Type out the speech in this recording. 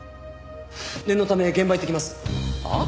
念のため現場行ってきます！はあ？